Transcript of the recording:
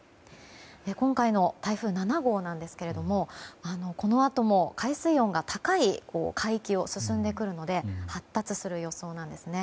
今回の台風７号ですがこのあとも海水温が高い海域を進んでくるので発達する予想なんですね。